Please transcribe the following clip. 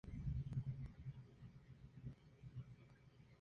Adolfo rechazó la carta.